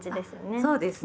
そうですね。